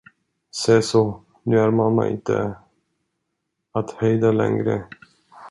Seså, nu är mamma inte att hejda längre.